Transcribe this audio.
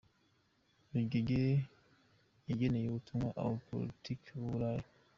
Rugege yageneye ubutumwa Abanyapolitiki b’u Burayi.